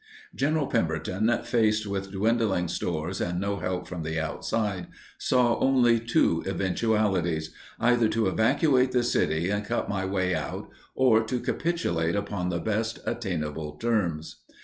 General Pemberton, faced with dwindling stores and no help from the outside, saw only two eventualities, "either to evacuate the city and cut my way out or to capitulate upon the best attainable terms."